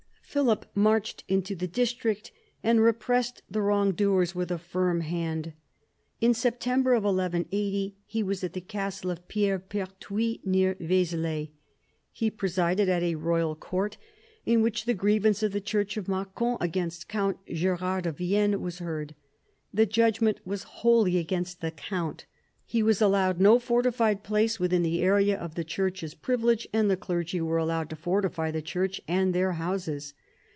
Philip marched into the district, and repressed the wrongdoers with a firm hand. In September 1180 he was at the castle of Pierre Perthuis, near Vezelay. He presided at a royal court, in which the grievance of the church of Macon against Count Gerard of Vienne was heard. The judg ment was wholly against the count. He was allowed no fortified place within the area of the church's privi lege, and the clergy were allowed to fortify the church and their houses.